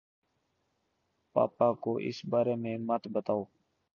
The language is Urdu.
پاپا کو اِس بارے میں مت بتاؤ